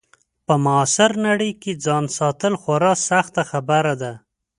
په معاصره نړۍ کې ځان ساتل خورا سخته خبره ده.